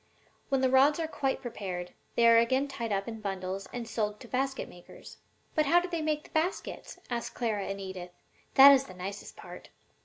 When the rods are quite prepared, they are again tied up in bundles and sold to the basket makers.'" "But how do they make the baskets?" asked Clara and Edith. "That is the nicest part."